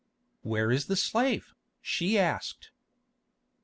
"Where is the slave?" she asked.